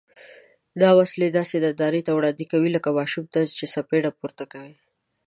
دا وسلې داسې نندارې ته وړاندې کوي لکه ماشوم ته څپېړه پورته کول.